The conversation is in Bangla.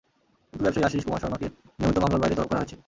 কিন্তু ব্যবসায়ী আশিস কুমার শর্মাকে নিয়মিত মামলার বাইরে তলব করা হয়েছে।